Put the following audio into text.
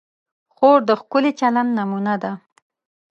خور د ښکلي چلند نمونه ده.